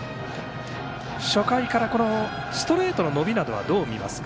初回からストレートの伸びなどはどう見ますか？